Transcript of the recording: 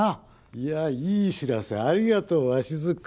いやいい知らせありがとう鷲津君。